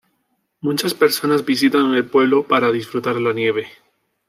Muchas personas visitan el pueblo para disfrutar la nieve.